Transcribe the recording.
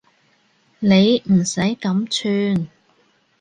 你唔使咁串